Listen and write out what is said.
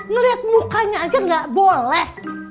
ngeliat mukanya aja gak boleh